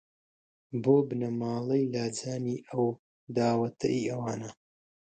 بۆ بنەماڵەی لاجانی ئەو داوەتە ئی وانە